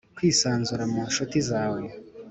kwisanzura mu nshuti zawe